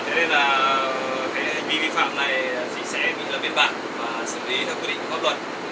thế nên là hành vi vi phạm này chỉ sẽ bị là biên bản và xử lý theo quy định của pháp luật